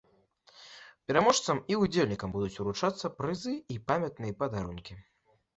Пераможцам і ўдзельнікам будуць уручацца прызы і памятныя падарункі.